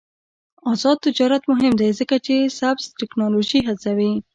آزاد تجارت مهم دی ځکه چې سبز تکنالوژي هڅوي.